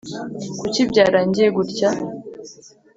kuki byarangiye gutya?